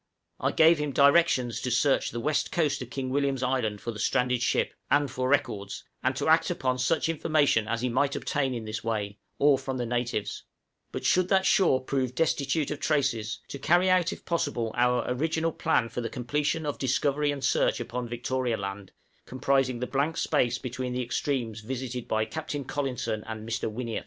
I gave him directions to search the west coast of King William's Island for the stranded ship and for records, and to act upon such information as he might obtain in this way, or from the natives; but should that shore prove destitute of traces, to carry out if possible our original plan for the completion of discovery and search upon Victoria Land, comprising the blank space between the extremes visited by Captain Collinson and Mr. Wynniatt. {MISS THE CLARENCE ISLANDS.